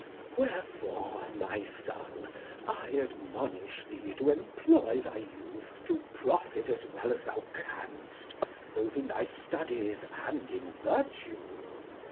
Wherefore, my son, I admonish thee to employ thy youth to profit as well as thou canst, both in thy studies and in virtue.